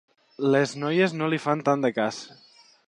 Les noies no li fan tant de cas.